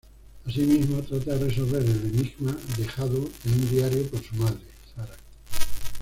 Asimismo, trata de resolver el enigma dejado en un diario por su madre, Sara.